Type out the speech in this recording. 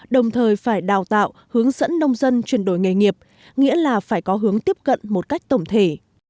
đồng thời phải đào tạo hướng dẫn nông dân chuyển đổi nghề nghiệp nghĩa là phải có hướng tiếp cận một cách tổng thể